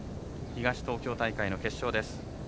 東東京大会の決勝です。